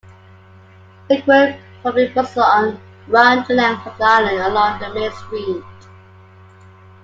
Frequent public buses run the length of the island along the main street.